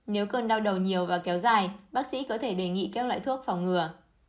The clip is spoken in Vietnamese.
nếu cơn đau đầu nhiều và kéo dài bác sĩ có thể đề nghị các loại thuốc phòng ngừa